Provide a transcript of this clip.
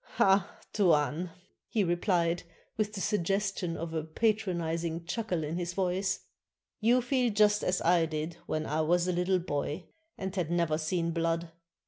"Ah, Tuan," he replied, with the suggestion of a patronizing chuckle in his voice, " you feel just as I did when I was a little boy and had never seen blood.